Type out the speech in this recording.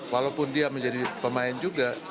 walaupun dia menjadi pemain juga